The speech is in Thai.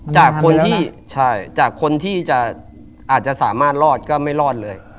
จากคนที่ใช่จากคนที่จะอาจจะสามารถรอดก็ไม่รอดเลย